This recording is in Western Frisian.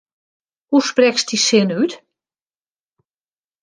Hoe sprekst dy sin út?